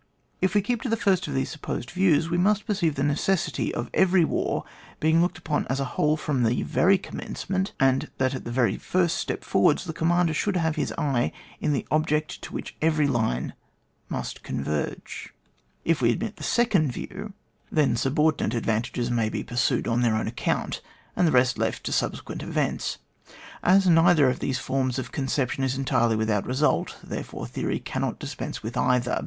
If we keep to the first of these sup posed views, we must perceive the neces sity of every war being looked upon as a whole from the very commencement, aud that at the very first step forwards, the commander should have in his eye the object to which every line must con verge. £r we admit the second view, then cnAP. m.] IHTERDEPENDEirCE OF THE PARTS IN WAR. 4t fiubordinate advantages nmy be pursued on their own account, «nd the rest left to subsequent events. As neither of these forms of conception is entirely without result, therefore theory cannot dispense with either.